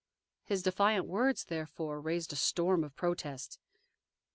His defiant words therefore raised a storm of protests.